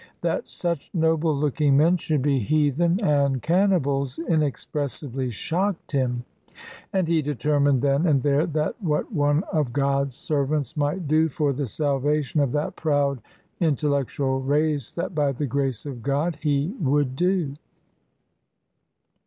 That such noble looking men should be heathen and cannibals inexpressibly shocked him, and he determined then and there that what one of God's servants might do for the salvation of that proud, intellectual race, that, by the grace of God, he would do.